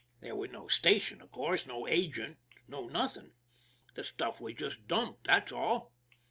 There was no station, of course, no agent, no nothing; the stuff was just dumped, that's all.